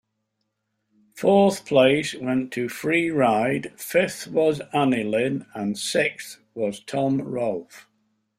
Fourth place went to Free Ride, fifth was Anilin and sixth was Tom Rolfe.